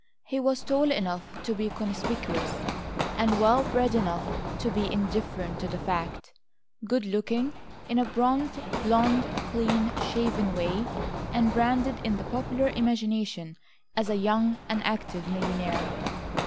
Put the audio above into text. He was tall enough to be conspicuous and well bred enough to be indifferent to the fact, good looking, in a bronzed, blond clean shaven way, and branded in the popular imagination as a young and active millionaire.